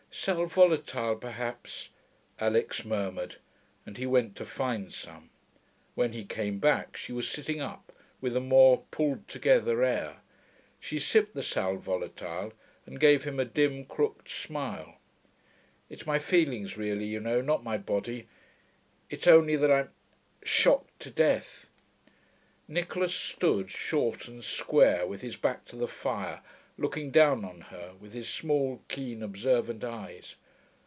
'Sal volatile, perhaps,' Alix murmured, and he went to find some. When he came back, she was sitting up, with a more pulled together air. She sipped the sal volatile, and gave him a dim, crooked smile. 'It's my feelings really, you know, not my body. It's only that I'm ... shocked to death.' Nicholas stood, short and square, with his back to the fire, looking down on her with his small, keen, observant eyes.